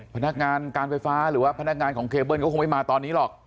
พนักงานการไฟฟ้าหรือว่าพนักงานของเคเบิ้ลก็คงไม่มาตอนนี้หรอก